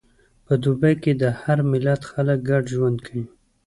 په دوبی کې د هر ملت خلک ګډ ژوند کوي.